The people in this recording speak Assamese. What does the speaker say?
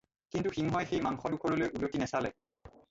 কিন্তু সিংহই সেই মাংস ডোখৰলৈ উলটি নেচালে